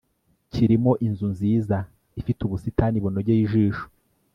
kirimo inzu nziza ifite ubusitani bunogeye ijisho